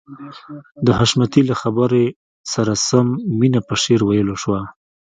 د حشمتي له خبرې سره سم مينه په شعر ويلو شوه.